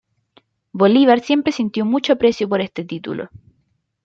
Bolívar siempre sintió mucho aprecio por este título.